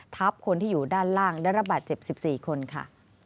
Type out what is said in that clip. ทับคนที่อยู่ด้านล่างได้ระบาดเจ็บ๑๔คนค่ะ